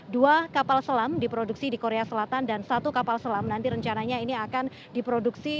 dua kapal selam diproduksi di korea selatan dan satu kapal selam nanti rencananya ini akan diproduksi